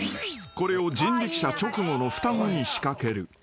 ［これを人力車直後の双子に仕掛ける］